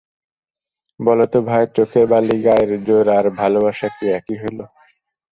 বলো তো ভাই, চোখের বালি, গায়ের জোর আর ভালোবাসা কি একই হইল।